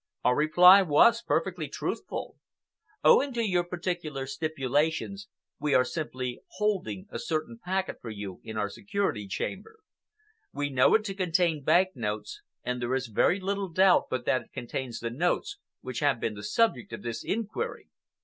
Our reply was perfectly truthful. Owing to your peculiar stipulations, we are simply holding a certain packet for you in our security chamber. We know it to contain bank notes, and there is very little doubt but that it contains the notes which have been the subject of this inquiry.